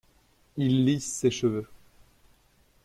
Il lisse ses cheveux.